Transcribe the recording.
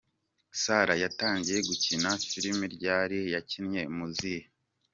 Sarah yatangiye gukina filime ryari, yakinnye mu zihe?.